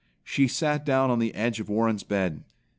She sat down on the edge of Warren's bed.